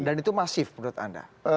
dan itu masif menurut anda